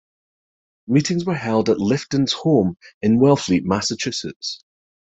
Meetings were held at Lifton's home in Wellfleet, Massachusetts.